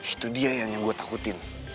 itu dia yang gue takutin